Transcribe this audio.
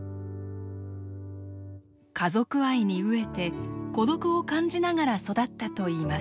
家族愛に飢えて孤独を感じながら育ったといいます。